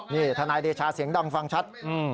นี่ทนายเดชาเสียงดังฟังชัด